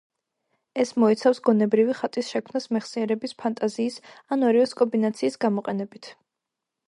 ეს მოიცავს გონებრივი ხატის შექმნას მეხსიერების, ფანტაზიის, ან ორივეს კომბინაციის გამოყენებით.